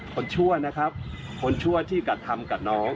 ชั่วนะครับคนชั่วที่กระทำกับน้อง